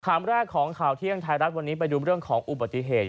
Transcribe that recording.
ข่าวแรกของข่าวเที่ยงไทยรัฐวันนี้ไปดูเรื่องของอุบัติเหตุ